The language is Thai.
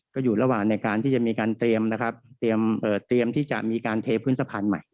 ก็อยู่ระหว่างในการที่จะมีการเตรียมที่จะมีการเทพพื้นสะพานใหม่